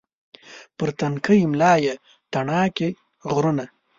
پر تنکۍ ملا یې تڼاکې غرونه